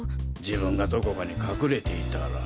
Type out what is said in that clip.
自分がどこかに隠れていたら？